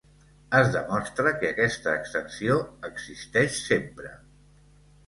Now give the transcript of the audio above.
Es demostra que aquesta extensió existeix sempre.